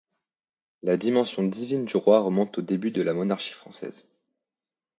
La dimension divine du roi remonte aux débuts de la monarchie française.